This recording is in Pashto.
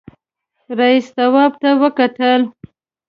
رئيسې تواب ته وکتل.